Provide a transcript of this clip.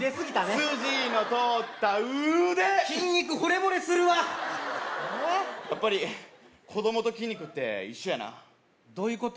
すじのとおった腕筋肉ホレボレするわやっぱり子供と筋肉って一緒やなどういうこと？